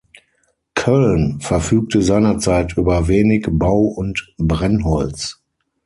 Cölln verfügte seinerzeit über wenig Bau- und Brennholz.